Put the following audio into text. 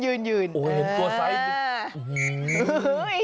โอ้โหตัวไซค์